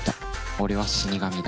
俺は死神だ。